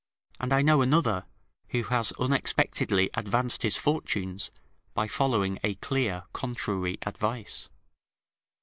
And I know another, who has unexpectedly advanced his fortunes by following a clear contrary advice.